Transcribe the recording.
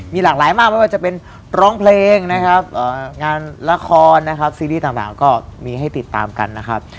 มีหลากหลายมากไม่ว่าจะเป็นร้องเพลงนะครับงานละครนะครับซีรีส์ต่างก็มีให้ติดตามกันนะครับ